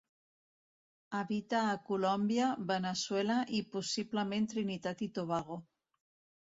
Habita a Colòmbia, Veneçuela i possiblement Trinitat i Tobago.